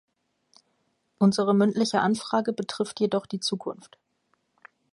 Unsere mündliche Anfrage betrifft jedoch die Zukunft.